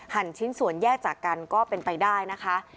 ชิ้นส่วนแยกจากกันก็เป็นไปได้นะคะ